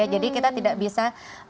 jadi kita tidak bisa